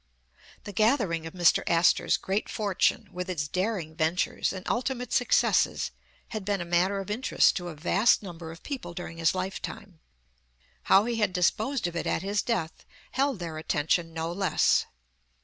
The gathering of Mr. Astor 's great fortune, with its daring ventures, and ultimate successes, had been a 301 The Original John Jacob Astor matter of interest to a vast number of people during his lifetime. How he had disposed of it at his death, held their attention no less.